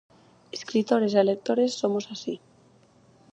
Escritores e lectores somos así.